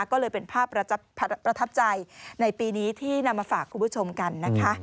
ก็เลยเป็นภาพประทับใจในปีนี้ที่นำมาฝากคุณผู้ชมกันนะคะ